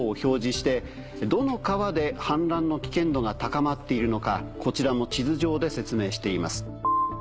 してどの川で氾濫の危険度が高まっているのかこちらも地図上で説明しています。